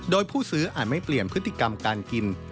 โดยผู้ซื้ออาจไม่เปลี่ยนพฤติกรรมการกิน